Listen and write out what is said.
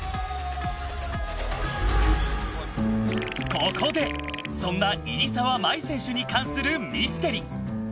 ここで、そんな入澤まい選手に関するミステリ。